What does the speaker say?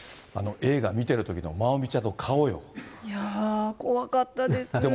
映画、見てるときのまおみちいやー、怖かったです。